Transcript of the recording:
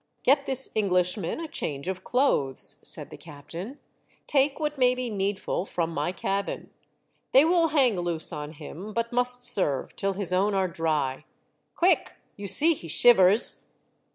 "Get this Englishman a change of clothes," said the captain. " Take what may be need ful from my cabin. They will hang loose on him but must serve till his own are dry. Quick! you see he shivers."